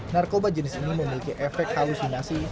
narkoba jenis ini memiliki efek halusinasi